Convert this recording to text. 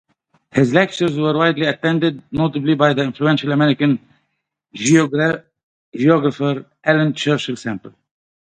His lectures were widely attended, notably by the influential American geographer Ellen Churchill Semple.